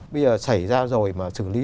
bây giờ xảy ra rồi mà xử lý